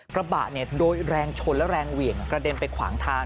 กระบะโดยแรงชนและแรงเหวี่ยงกระเด็นไปขวางทาง